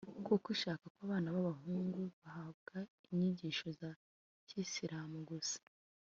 kuko ishaka ko abana b’abahungu bahabwa inyigisho za Kiyisilamu gusa